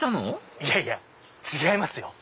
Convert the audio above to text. いやいや違いますよ。